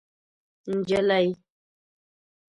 نجلۍ